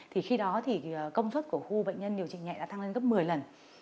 thì khi đó thì công suất của khu bệnh nhân điều trị nhẹ đã tăng lên gấp một mươi lần